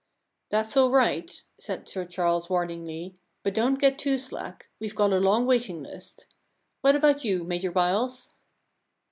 * That's all right/ said Sir Charles warn ingly, * but don't get too slack. WeVe got a long waiting list. What about you, Major Byles